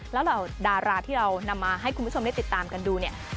แล้วเหล่าดาราที่เรานำมาให้คุณผู้ชมได้ติดตามกันดูเนี่ย